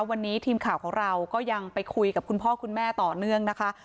วันนี้ทีมข่าวของเราก็ยังไปคุยกับคุณพ่อคุณแม่ต่อเนื่องนะคะ